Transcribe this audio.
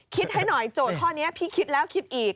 ให้หน่อยโจทย์ข้อนี้พี่คิดแล้วคิดอีก